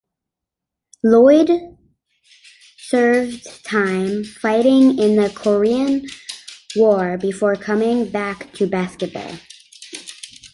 Lloyd served time fighting in the Korean War before coming back to basketball.